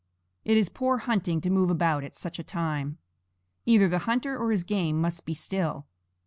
It is poor hunting to move about at such a time. Either the hunter or his game must be still.